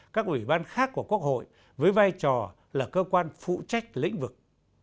các ủy ban khác của quốc hội với vai trò là cơ quan phụ trách lĩnh vực